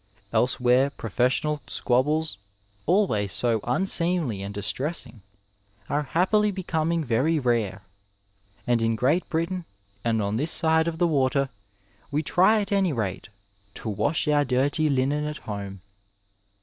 Elsewhere professional squabbles, always so unseemly and distressing, are happily becoming very rare, and in Great Britain, and on this side of the water, we try at any rate '' to wash our dirty linen at home.''